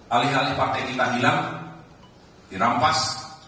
alih alih partai kita hilang dirampas